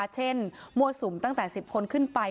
เช่นมั่วสุมตั้งแต่๑๐คนขึ้นไป